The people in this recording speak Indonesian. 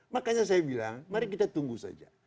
makanya saya bilang mari kita tunggu saja